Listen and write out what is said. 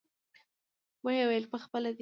ويې ويل پخپله دى.